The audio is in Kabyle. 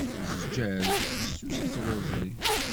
Zzǧaǧ fessus i truẓi.